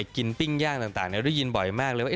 ปิ้งย่างต่างได้ยินบ่อยมากเลยว่า